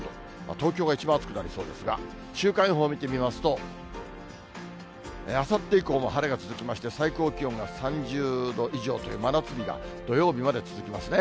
東京が一番暑くなりそうですが、週間予報見てみますと、あさって以降も晴れが続きまして、最高気温が３０度以上という真夏日が土曜日まで続きますね。